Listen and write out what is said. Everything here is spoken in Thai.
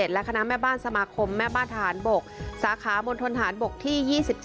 และคณะแม่บ้านสมาคมแม่บ้านทหารบกสาขามณฑนฐานบกที่๒๗